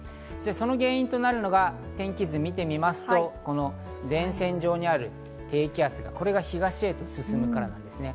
原因となるのが天気図を見てみますと、この前線上にある低気圧、これが東へ進むからなんですね。